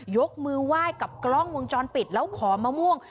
ยกมือไหว้กับกล้องวงจรปิดแล้วขอมะม่วง